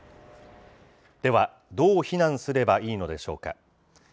では、どう避難すればいいのでしょうか。